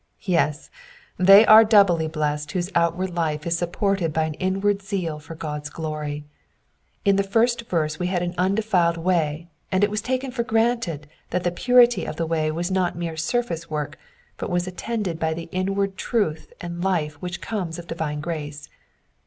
Yes, they are doubly blessed whose outward life is supported by an inward zeal for GocVs glory. In the first verse we had an undefiled way, and it was taken for granted that the purity in the way was not mere surface work, but was attended by the inward truth and life which comes of divine grace.